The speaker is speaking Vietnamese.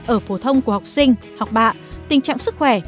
ở phổ thông của học sinh học bạ tình trạng sức khỏe